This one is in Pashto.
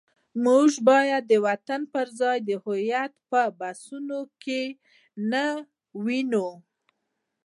موږ باید د وطن پر ځای د هویت په بحثونو کې نه ونیو.